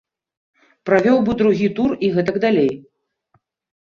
Правёў бы другі тур і гэтак далей.